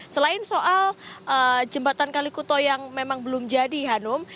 selain soal jembatan kalikuto yang memang belum jadi hanum